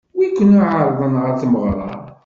Wi ken-iɛeṛḍen ɣer tmeɣṛa?